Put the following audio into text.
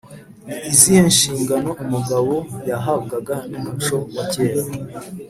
Ni izihe nshingano umugabo yahabwaga n’umuco wa kera?